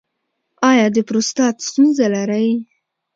ایا د پروستات ستونزه لرئ؟